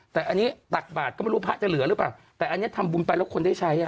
แต่อันนี้ตักบาทก็ไม่รู้พระจะเหลือหรือเปล่าแต่อันนี้ทำบุญไปแล้วคนได้ใช้อ่ะ